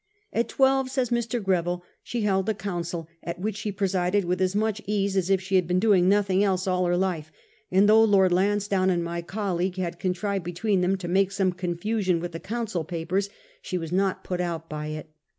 ' At twelve,' says Mr. Greville, ' she held a Council, at which she presided with as much ease as if she had been doing nothing else all her life ; and though Lord Lansdowne and my colleague had con trived between them to make some confusion with the Council papers, she was not put out by it.